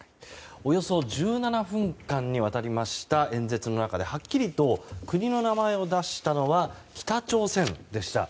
およそ１７分間にわたりました演説の中ではっきりと国の名前を出したのは北朝鮮でした。